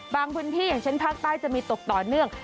พื้นที่อย่างเช่นภาคใต้จะมีตกต่อเนื่อง